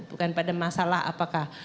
bukan pada masalah apakah